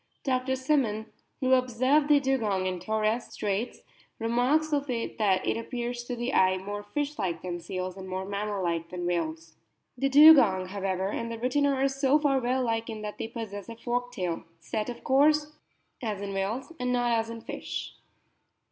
Dr. Semon, who observed the Dugong in Torres' Straits, remarks of it that it appears to the eye "more fish like than seals, and more mammal like than whales." WHALES AND SIRENIA 91 The Dugong, however, and the Rhytina are so far whale like in that they possess a forked tail, set, of course, as in whales, and not as in fish.